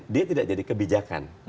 dia tidak jadi kebijakan